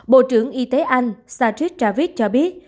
bộ trưởng y tế anh satish travis cho biết